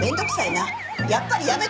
やっぱりやめとこ。